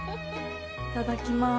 いただきまーす。